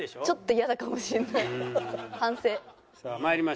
ちょっとイヤかもしれない。